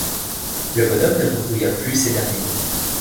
Le bonhomme ne bredouilla plus ces derniers mots.